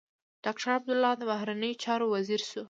ډاکټر عبدالله د بهرنيو چارو وزیر شو.